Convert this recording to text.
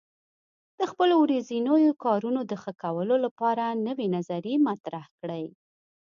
د خپلو ورځنیو کارونو د ښه کولو لپاره نوې نظریې مطرح کړئ.